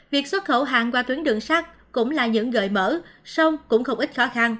việc xuất khẩu hàng qua tuyến đường sát cũng là những gợi mở sông cũng không ít khó khăn